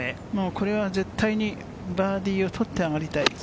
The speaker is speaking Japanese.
これは絶対バーディーを取って上がりたい。